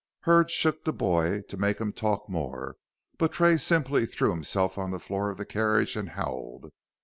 Hurd shook the boy to make him talk more, but Tray simply threw himself on the floor of the carriage and howled.